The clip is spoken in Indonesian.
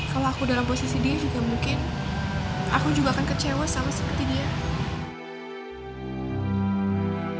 kalo aku dalam posisi dia juga mungkin